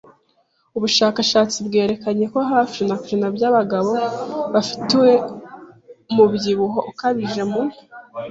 Ubushakashatsi bwerekanye ko hafi % by'abagabo bafite umubyibuho ukabije mu